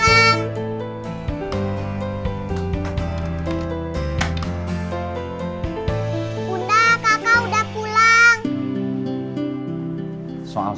bunda kakak udah pulang